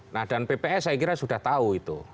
nah dan pps saya kira sudah tahu itu